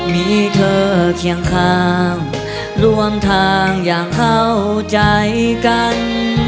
มีเธอเคียงข้างรวมทางอย่างเข้าใจกัน